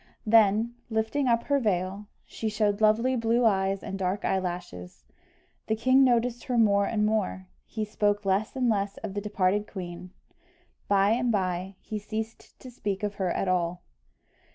Then, lifting up her veil, she showed lovely blue eyes and dark eyelashes. The king noticed her more and more he spoke less and less of the departed queen; by and by he ceased to speak of her at all.